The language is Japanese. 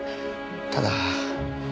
ただ。